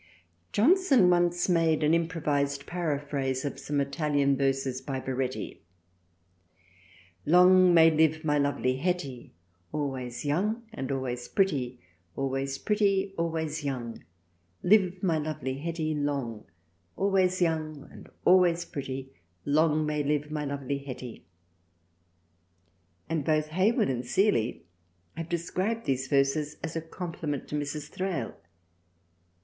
Johnson once made an improvised paraphrase of some Italian verses by Baretti :— Long may live my lovely Hetty ! Always young and always pretty, Always pretty, always young, Live my lovely Hetty long ! Always young and always pretty Long may live my lovely Hetty. and both Hayward and Seeley have described these verses as a compliment to Mrs. Thrale.